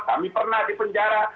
kami pernah di penjara